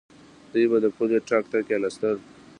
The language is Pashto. دوی به د پولۍ ټک ته کېناستل.